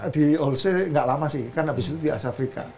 di holsey gak lama sih kan abis itu di asia afrika